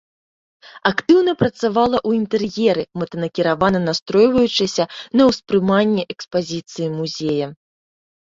Актыўна працавала ў інтэр'еры, мэтанакіравана настройваючы на ўспрыманне экспазіцыі музея.